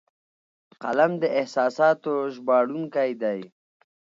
قلم د احساساتو ژباړونکی دی